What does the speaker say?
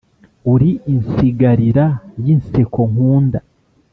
Uri insigarira yinseko nkunda